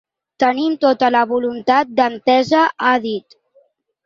Tenim tota la voluntat d’entesa, ha dit.